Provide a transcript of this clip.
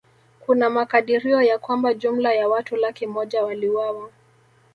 Kuna makadirio ya kwamba jumla ya watu laki moja waliuawa